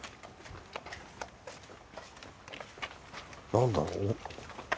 何だろう。